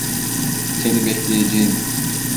Seni bekleyeceğim.